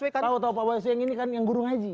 kau tau pak baswe yang ini kan yang guru ngaji